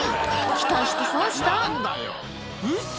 期待して損したウソ！